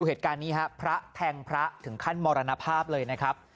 เหตุการณ์นี้ฮะพระแทงพระถึงขั้นมรณภาพเลยนะครับ